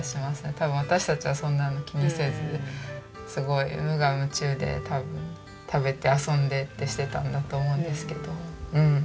多分私たちはそんなの気にせず無我夢中で多分食べて遊んでってしてたんだと思うんですけど。